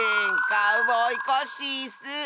カウボーイコッシーッス。